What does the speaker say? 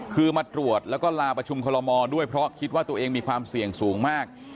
คือมาตรวจแล้วก็ลาประชุมคอลโมด้วยเพราะคิดว่าตัวเองมีความเสี่ยงสูงมาก